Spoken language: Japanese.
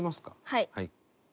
はい。